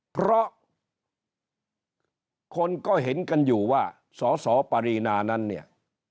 เพราะคนก็เห็นกันอยู่ว่าสสปารีนานั้นเนี่ย